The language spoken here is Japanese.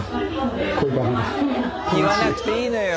言わなくていいのよ